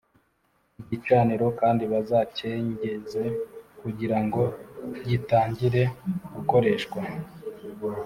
Igicaniro kandi bazacyengeze kugira ngo gitangire gukoreshwa